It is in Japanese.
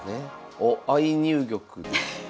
おっ相入玉ですか？